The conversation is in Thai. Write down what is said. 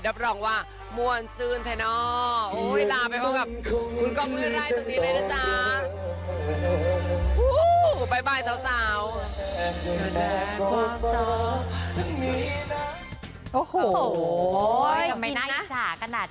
รับรองว่ามวลซื่นใช่เนาะ